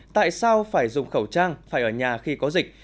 tại sao phải dùng khẩu trang phải ở nhà khi có dịch